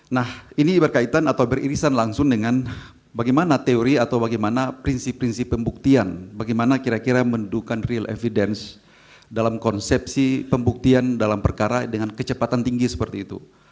nah ini berkaitan atau beririsan langsung dengan bagaimana teori atau bagaimana prinsip prinsip pembuktian bagaimana kira kira mendukan real evidence dalam konsepsi pembuktian dalam perkara dengan kecepatan tinggi seperti itu